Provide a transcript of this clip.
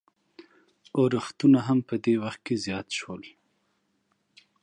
اورښتونه هم په دې وخت کې زیات شول.